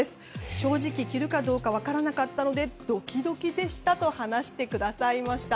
正直着るかどうか分からなかったのでドキドキでしたと話してくださいました。